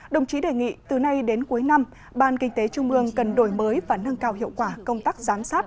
đồng chí đề nghị từ nay đến cuối năm ban kinh tế trung mương cần đổi mới và nâng cao hiệu quả công tác giám sát